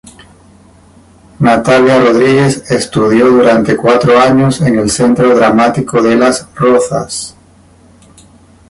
Natalia Rodríguez estudió durante cuatro años en el centro dramático de "Las Rozas".